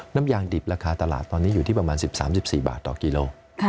น้ำยางดิบราคาตลาดตอนนี้อยู่ที่ประมาณ๑๓๑๔บาทต่อกิโล